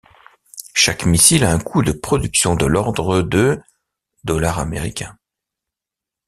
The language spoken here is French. Chaque missile a un coût de production de l'ordre de dollars américains.